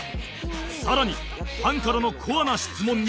更にファンからのコアな質問に